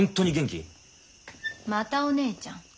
またお姉ちゃん？